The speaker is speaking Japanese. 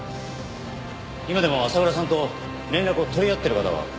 今でも浅倉さんと連絡を取り合ってる方は？